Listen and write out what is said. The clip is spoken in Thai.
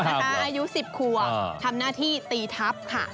น้องอามเหรออายุ๑๐ขวบทำหน้าที่ตีทัพค่ะ